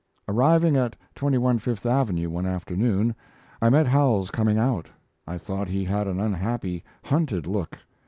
Arriving at 21 Fifth Avenue, one afternoon, I met Howells coming out. I thought he had an unhappy, hunted look.